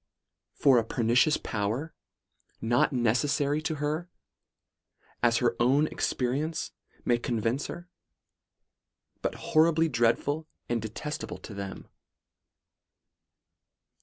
for a pernicious power, not necessary to her as her own experience may convince her ; but horribly dread ful and detestable to her.